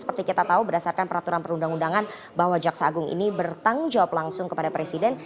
seperti kita tahu berdasarkan peraturan perundang undangan bahwa jaksa agung ini bertanggung jawab langsung kepada presiden